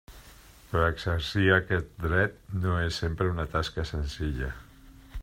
Però exercir aquest dret no és sempre una tasca senzilla.